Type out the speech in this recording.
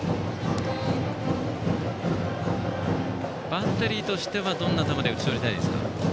バッテリーとしてはどんな球で打ち取りたいですか？